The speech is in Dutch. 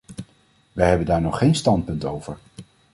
Wij hebben daar nog geen standpunt over.